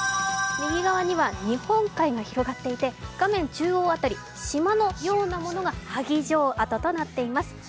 右側には日本海が広がっていて、画面中央辺り、島のようなものが萩城跡となっています。